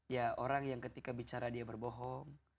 ya orang yang ketika bicara dia berbohong